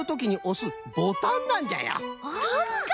そっか！